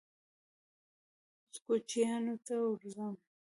_اوس کوچيانو ته ورځم.